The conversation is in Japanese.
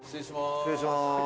失礼します。